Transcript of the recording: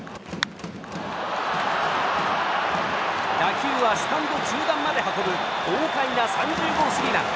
打球はスタンド中段まで運ぶ豪快な３０号スリーラン。